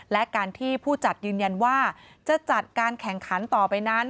และการที่ผู้จัดยืนยันว่าจะจัดการแข่งขันต่อไปนั้น